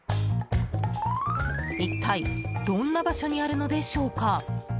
一体どんな場所にあるのでしょうか。